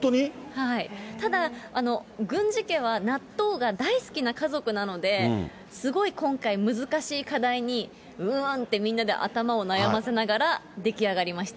ただ、郡司家は納豆が大好きな家族なので、すごい今回、難しい課題に、うーんって、みんなで頭を悩ませながら、出来上がりました。